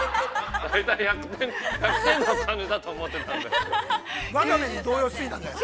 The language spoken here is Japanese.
１００点の感じだと思ってたんだけど。